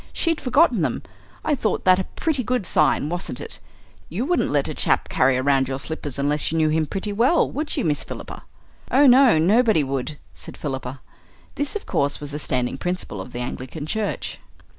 She'd forgotten them. I thought that a pretty good sign, wasn't it? You wouldn't let a chap carry round your slippers unless you knew him pretty well, would you, Miss Philippa?" "Oh no, nobody would," said Philippa. This of course, was a standing principle of the Anglican Church.